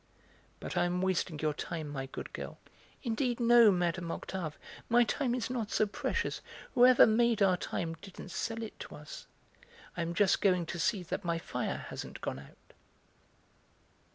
But I am wasting your time, my good girl." "Indeed no, Mme. Octave, my time is not so precious; whoever made our time didn't sell it to us. I am just going to see that my fire hasn't gone out."